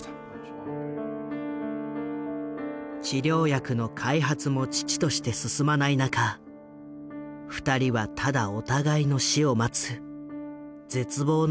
治療薬の開発も遅々として進まない中２人はただお互いの死を待つ絶望の日々を送っていた。